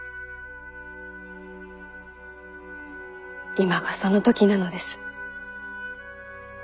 今がその時なのです。